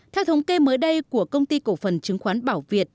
theo thống kê mới đây của công ty cổ phần chứng khoán bảo việt